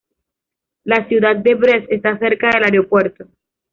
La ciudad de Brest está cerca del aeropuerto.